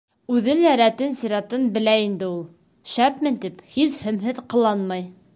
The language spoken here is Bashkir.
Үҙе лә рәтен-сиратын белә инде ул: шәпмен тип, һис һөмһөҙ ҡыланмай.